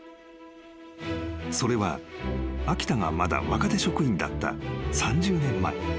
［それは秋田がまだ若手職員だった３０年前］